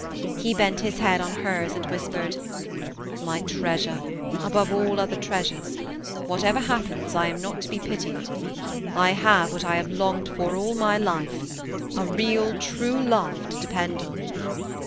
He bent his head on hers and whispered, " My treasure above all other treasures, whatever happens, I am not to be pitied. I have what I have longed for all my life — a real, true love to depend on."